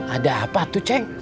ada apa tuh ceng